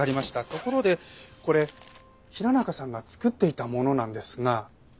ところでこれ平中さんが作っていたものなんですが。